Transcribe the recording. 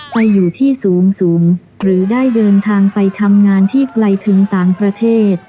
ไปอยู่ที่สูงหรือได้เดินทางไปทำงานที่ไกลถึงต่างประเทศ